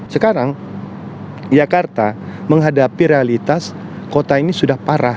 sekarang jakarta menghadapi realitas kota ini sudah parah